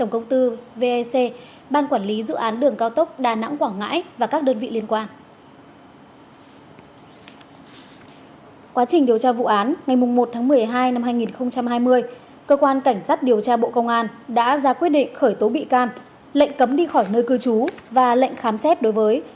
công tác điều tra bộ công an đã ra quyết định khởi tố bị can lệnh cấm đi khỏi nơi cư trú và lệnh khám xét đối với